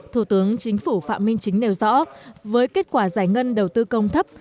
thủ tướng chính phủ phạm minh chính nêu rõ với kết quả giải ngân đầu tư công thấp